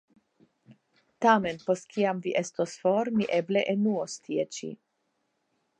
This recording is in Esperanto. Tamen, post kiam vi estos for, mi eble enuos tie ĉi.